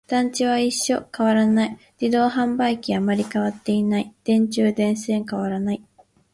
団地は一緒、変わらない。自動販売機、あまり変わっていない。電柱、電線、変わらない。